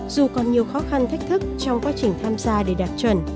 dù còn nhiều khó khăn thách thức trong quá trình tham gia để đạt chuẩn